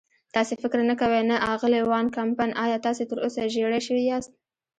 تاسې فکر نه کوئ؟ نه، اغلې وان کمپن، ایا تاسې تراوسه ژېړی شوي یاست؟